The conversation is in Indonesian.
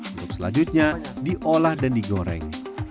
untuk selanjutnya diolah dan digoreng